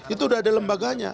itu sudah ada lembaganya